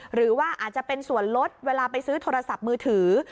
หรือว่าอาจจะเป็นส่วนลดเวลาไปซื้อโทรศัพท์มือถือ